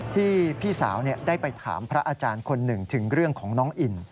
พี่สาวได้ไปถามพระอาจารย์คนหนึ่งถึงเรื่องของน้องอิน